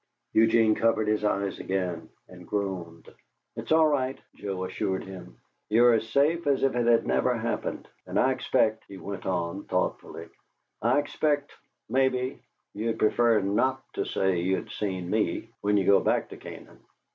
Eugene covered his eyes again and groaned. "It's all right," Joe assured him. "You're as safe as if it had never happened. And I expect" he went on, thoughtfully "I expect, maybe, you'd prefer NOT to say you'd seen me, when you go back to Canaan.